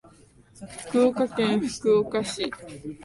福岡県福岡市